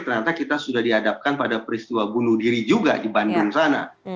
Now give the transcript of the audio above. ternyata kita sudah dihadapkan pada peristiwa bunuh diri juga di bandung sana